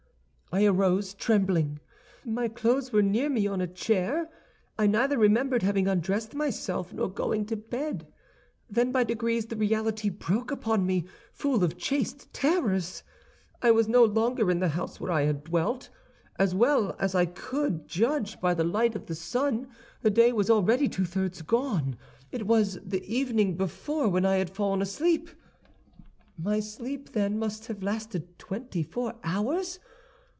I arose trembling. My clothes were near me on a chair; I neither remembered having undressed myself nor going to bed. Then by degrees the reality broke upon me, full of chaste terrors. I was no longer in the house where I had dwelt. As well as I could judge by the light of the sun, the day was already two thirds gone. It was the evening before when I had fallen asleep; my sleep, then, must have lasted twenty four hours!